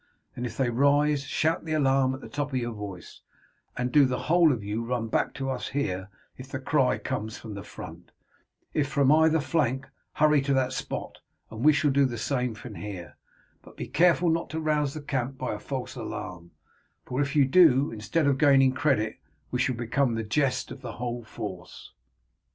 Then, if they rise, shout the alarm at the top of your voice, and do the whole of you run back to us here if the cry comes from the front, if from either flank hurry to that spot, and we shall do the same from here; but be careful not to rouse the camp by a false alarm, for if you do, instead of gaining credit we shall become the jest of the whole force."